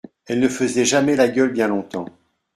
Elle ne faisait jamais la gueule bien longtemps.